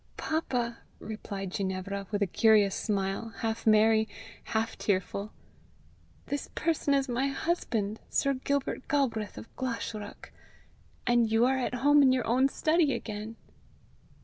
"Papa," replied Ginevra, with a curious smile, half merry, half tearful, "this person is my husband, Sir Gilbert Galbraith of Glashruach; and you are at home in your own study again."